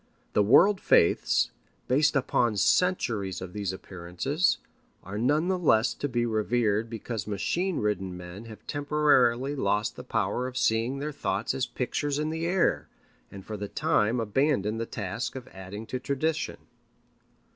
The world faiths, based upon centuries of these appearances, are none the less to be revered because machine ridden men have temporarily lost the power of seeing their thoughts as pictures in the air, and for the time abandoned the task of adding to tradition.